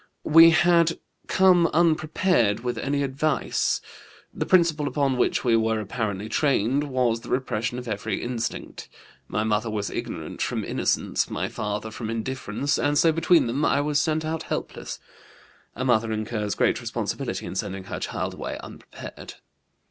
We had come unprepared with any advice. The principle upon which we were apparently trained was the repression of every instinct. My mother was ignorant from innocence, my father from indifference, and so between them I was sent out helpless. A mother incurs great responsibility in sending her child away unprepared.